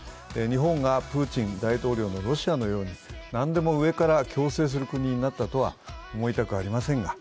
日本がプーチン大統領のロシアのように何でも上から強制する国になったとは思いたくありませんが。